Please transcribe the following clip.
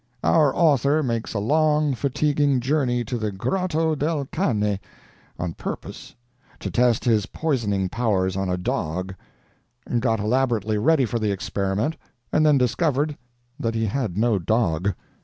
Our author makes a long, fatiguing journey to the Grotto del Cane on purpose to test its poisoning powers on a dog got elaborately ready for the experiment, and then discovered that he had no dog.